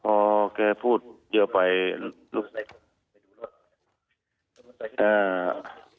พอแกพูดเยอะไปลูกชาย